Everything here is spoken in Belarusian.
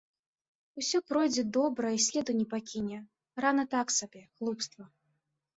Усё пройдзе добра і следу не пакіне, рана так сабе, глупства.